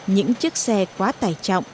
những chiếc xe quá tài trọng